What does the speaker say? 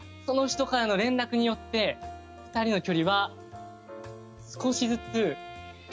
その人からの連絡によって２人の距離は少しずつ。